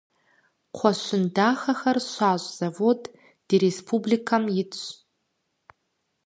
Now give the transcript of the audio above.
Кхъуэщын дахэхэр щащӀ завод ди республикэм итщ.